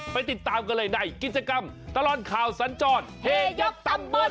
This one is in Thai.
ติดตามกันเลยในกิจกรรมตลอดข่าวสัญจรเฮยักษ์ตำบล